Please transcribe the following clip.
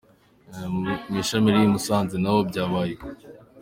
Mu ishami riri i Musanze naho byabaye uko.